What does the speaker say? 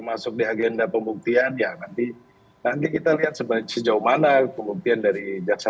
masuk di agenda pembuktian ya nanti nanti kita lihat sebagai sejauh mana kemudian dari jaksa